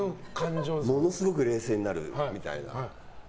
ものすごく冷静になるみたいな。